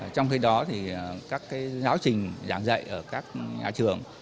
trong khi đó thì các giáo trình giảng dạy ở các nhà trường